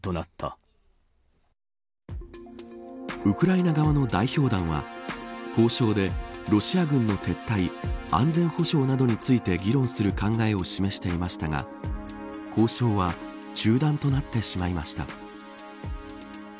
ウクライナ側の代表団は交渉で、ロシア軍の撤退安全保障などについて議論する考えを示していましたが交渉は中断となってしまいました。